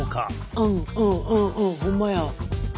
うんうんうんうんほんまや。